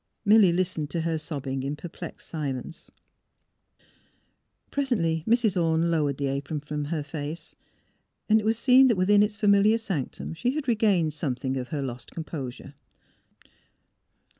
Milly listened to her sobbing in perplexed silence. Presently Mrs, Orne lowered the apron from her face, and it was seen that within its familiar sanctum she had regained something of her lost composure.